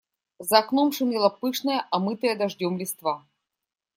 За окном шумела пышная, омытая дождем листва.